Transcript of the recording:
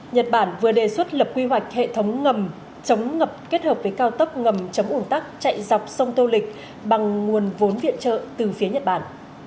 nhật bản vừa đề xuất lập quy hoạch hệ thống ngầm chống ngập kết hợp với cao tốc ngầm chống ủn tắc chạy dọc sông tô lịch bằng nguồn vốn viện trợ từ phía nhật bản